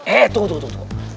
eh tunggu tunggu